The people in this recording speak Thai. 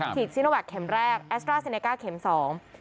ซีโนแวคเข็มแรกแอสตราเซเนก้าเข็มสอง